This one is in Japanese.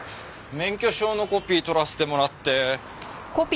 免許証のコピー取らせてもらって。